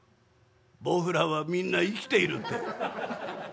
『ボウフラはみんな生きている』って」。